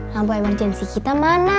lampu emergensi kita mana